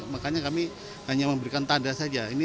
makanya kami hanya memberikan tanda saja